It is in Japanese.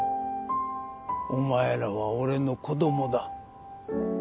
お前らは俺の子供だ。